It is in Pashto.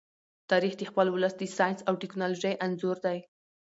تاریخ د خپل ولس د ساینس او ټیکنالوژۍ انځور دی.